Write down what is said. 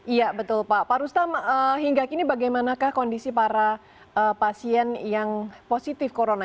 iya betul pak rustam hingga kini bagaimanakah kondisi para pasien yang positif corona